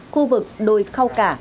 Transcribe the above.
khu vực đồi khao cả